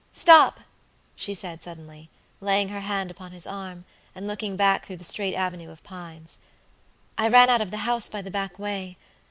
Stop," she said, suddenly, laying her hand upon his arm, and looking back through the straight avenue of pines; "I ran out of the house by the back way.